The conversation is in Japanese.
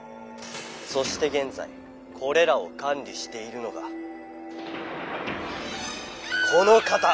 そして現在これらを管理しているのがこの方！